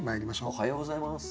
おはようございます。